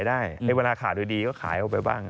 ได้เวลาขาดโดยดีก็ขายออกไปบ้าง